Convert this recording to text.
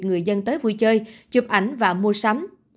người dân tới vui chơi chụp ảnh và mua sắm